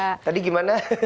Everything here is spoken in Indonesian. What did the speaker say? oke tadi gimana